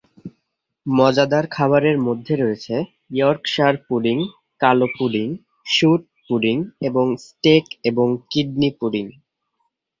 মজাদার খাবারের মধ্যে রয়েছে ইয়র্কশায়ার পুডিং, কালো পুডিং, স্যুট পুডিং এবং স্টেক এবং কিডনি পুডিং।